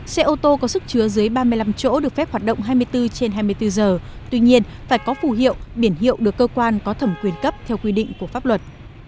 xe ô tô có sức chứa dưới ba mươi năm chỗ được phép hoạt động hai mươi bốn trên hai mươi bốn giờ tuy nhiên phải có phù hiệu biển hiệu được cơ quan có thẩm quyền cấp theo quy định của pháp luật